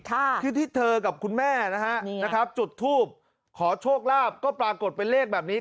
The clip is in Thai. คือที่เธอกับคุณแม่นะฮะนะครับจุดทูบขอโชคลาภก็ปรากฏเป็นเลขแบบนี้